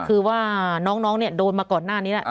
คือว่าน้องเนี่ยโดนมาก่อนหน้านี้แล้ว